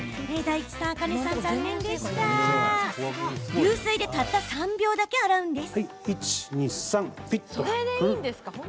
流水で、たった３秒だけ洗います。